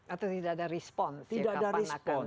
atau tidak ada respon ya kapan akan di follow up